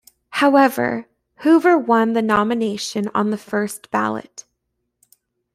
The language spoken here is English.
However, Hoover won the nomination on the first ballot.